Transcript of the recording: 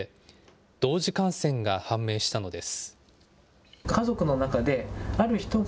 同時感染が判明したのです。